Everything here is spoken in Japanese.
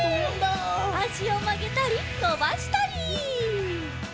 あしをまげたりのばしたり！